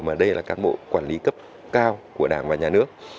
mà đây là cán bộ quản lý cấp cao của đảng và nhà nước